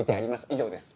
以上です。